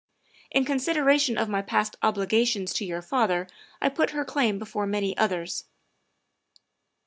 In con sideration of my past obligations to your father I put her claim before many others."